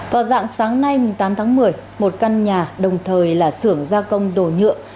vào dạng sáng nay tám tháng một mươi một căn nhà đồng thời là xưởng gia công đồ nhựa